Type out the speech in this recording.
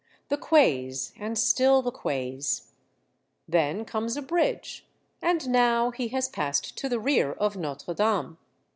The quays, and still the quays ; then comes a bridge, and now he has passed to the rear of Notre Dame.